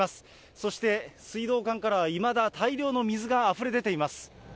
そして水道管からは、いまだ大量の水があふれ出ています。